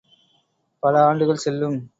பல ஆண்டுகள் செல்லும்.